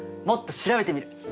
もっと調べてみる。